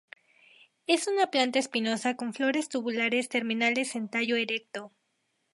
Es una planta espinosa con flores tubulares terminales en tallo erecto.